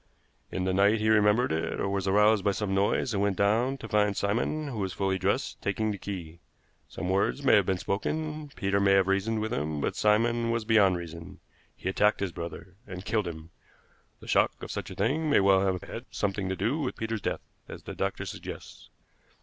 In the night he remembered it, or was aroused by some noise, and went down to find Simon, who was fully dressed, taking the key. Some words may have been spoken; Peter may have reasoned with him, but Simon was beyond reason. He attacked his brother, and killed him. The shock of such a thing may well have had something to do with Peter's death, as the doctor suggests.